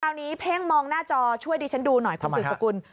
นี้เพ่งมองหน้าจอช่วยดิฉันดูหน่อยคุณสืบสกุล